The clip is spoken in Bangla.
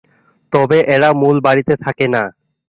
তবে এরা মূল বাড়িতে থাকে না!